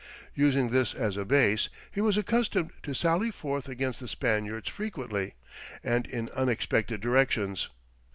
Using this as a base, he was accustomed to sally forth against the Spaniards frequently and in unexpected directions.